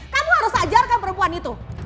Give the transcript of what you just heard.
kamu harus ajarkan perempuan itu